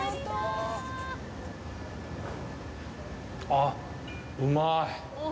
あっ、うまい！